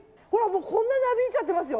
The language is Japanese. こんななびいちゃってますよ。